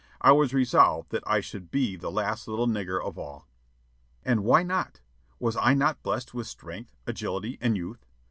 I was resolved that I should be the last little nigger of all. And why not? Was I not blessed with strength, agility, and youth?